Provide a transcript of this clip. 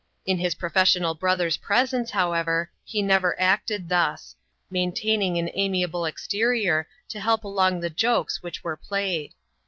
In his professional brother's presence, however, he never acted thus ; maintaining an amiable exterior, to help along the jokes which were played.